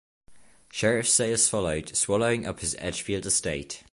Sheriff sales followed, swallowing up his Edgefield estate.